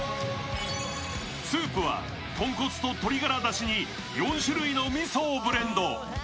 スープは豚骨と鶏ガラだしに４種類の味噌をブレンド。